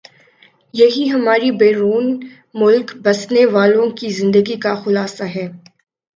یہی ہماری بیرون ملک بسنے والوں کی زندگی کا خلاصہ ہے